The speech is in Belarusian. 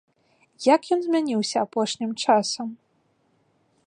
Як ён змяніўся апошнім часам?